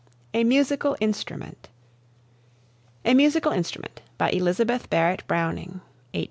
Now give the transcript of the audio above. A MUSICAL INSTRUMENT. "A Musical Instrument" by Elizabeth Barrett Browning (1806 61).